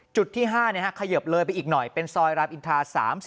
จุดที่๕เขยิบเลยไปอีกหน่อยเป็นซอยรามอินทรา๓๔